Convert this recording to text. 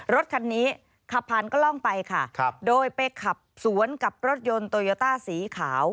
รถคันนี้ขับผ่านกล้องไปค่ะโดยไปขับสวนกับรถยนต์โตโยต้าสีขาว